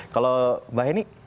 kalau mbak henny